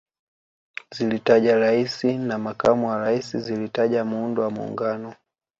Zilitaja Rais na Makamu wa Rais zilitaja Muundo wa Muungano